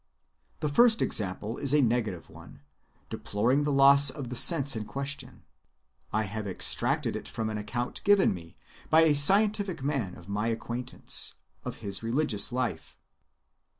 The first example is a negative one, deploring the loss of the sense in question. I have extracted it from an account given me by a scientific man of my acquaintance, of his religious life.